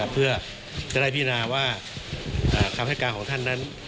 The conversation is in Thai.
เพื่อจะได้พินาว่าคำให้การของท่านนั้น